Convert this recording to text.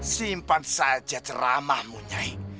simpan saja ceramahmu nyai